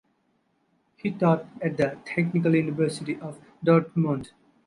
He taught at the Technical University of Dortmund.